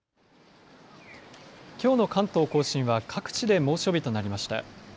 きょうの関東甲信は各地で猛暑日となりました。